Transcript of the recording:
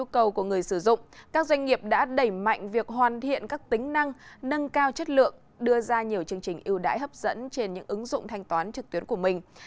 các doanh nghiệp đã đẩy mạnh việc hoàn thiện các tính năng nâng cao chất lượng đưa ra nhiều chương trình ưu đãi hấp dẫn trên những ứng dụng thanh toán trực tuyến của mình